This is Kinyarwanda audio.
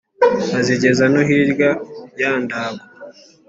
azigeza no hirya ya ndago